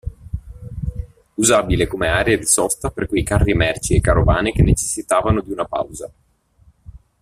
Usabile come area di sosta per quei carri merci e carovane che necessitavano di una pausa.